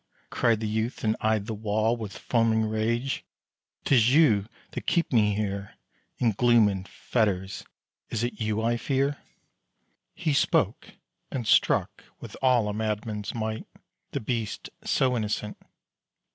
cried the youth, and eyed the wall With foaming rage: "'tis you that keep me here, In gloom and fetters. Is it you I fear?" He spoke, and struck, with all a madman's might, The beast so innocent.